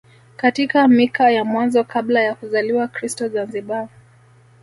Katika mika ya mwanzo kabla ya kuzaliwa Kristo Zanzibar